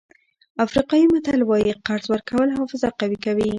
افریقایي متل وایي قرض ورکول حافظه قوي کوي.